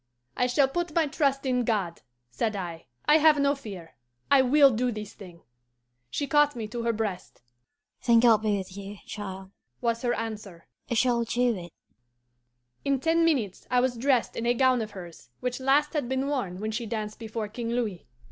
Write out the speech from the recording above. "'I shall put my trust in God,' said I. 'I have no fear. I will do this thing.' She caught me to her breast. 'Then God be with you, child,' was her answer; 'you shall do it.' In ten minutes I was dressed in a gown of hers, which last had been worn when she danced before King Louis.